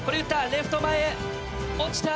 レフト前へ落ちた！